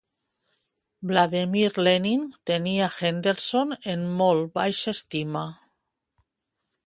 Vladimir Lenin tenia Henderson en molt baixa estima.